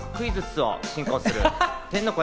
クイズッスを進行する天の声